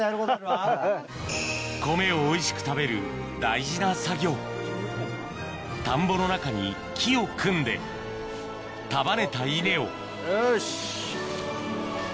米をおいしく食べる大事な作業田んぼの中に木を組んで束ねた稲をよし。